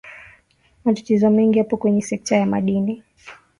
matatizo mengi yapo kwenye sekta ya madini